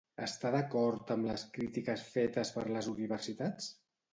Està d'acord amb les crítiques fetes per les universitats?